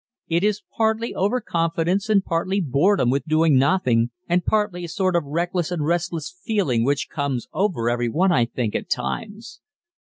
It is partly overconfidence and partly boredom with doing nothing, and partly a sort of reckless and restless feeling which comes over every one, I think, at times.